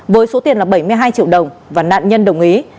với số tiền là bảy mươi hai triệu đồng và nạn nhân đồng ý